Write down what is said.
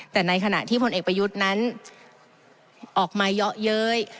แต่ในขณะที่พลเอกประยุทธ์นั้นออกมาเยอะเย้ย